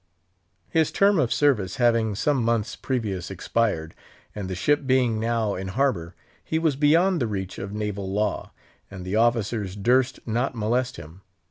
His term of service having some months previous expired, and the ship being now in harbour, he was beyond the reach of naval law, and the officers durst not molest him.